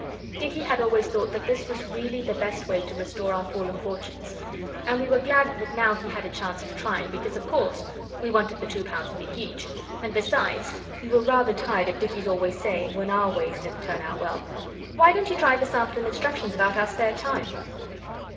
Dicky had always thought that this was really the best way to restore our fallen fortunes, and we were glad that now he had a chance of trying because of course we wanted the two pounds a week each, and besides, we were rather tired of Dicky's always saying, when our ways didn't turn out well, 'Why don't you try the sample and instructions about our spare time?